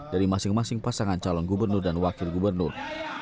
dari masing masing pasangan calon gubernur dan wakil gubernur